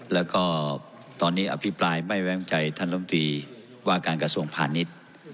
แล้วก็ตอนนี้อภิปรายไม่แว้งใจท่านลำตีว่าการกระทรวงพาณิชย์